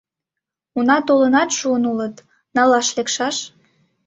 Уна толынат шуын улыт: налаш лекшаш.